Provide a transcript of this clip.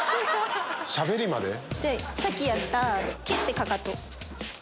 じゃあさっきやった蹴ってかかと。